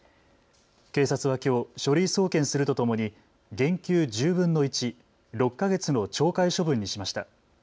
警察はきょう書類送検するとともに減給１０分の１、６か月の懲戒処分にしました。